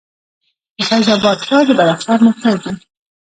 د فیض اباد ښار د بدخشان مرکز دی